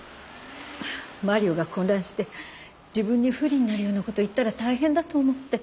マリオが混乱して自分に不利になるような事言ったら大変だと思って。